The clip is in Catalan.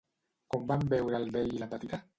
Com van veure el vell i la petita?